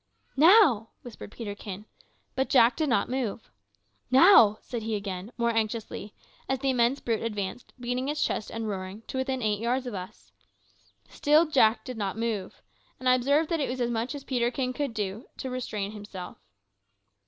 "Now!" whispered Peterkin. But Jack did not move. "Now!" said he again, more anxiously, as the immense brute advanced, beating its chest and roaring, to within eight yards of us. Still Jack did not move, and I observed that it was as much as Peterkin could do to restrain himself.